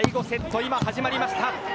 今、始まりました。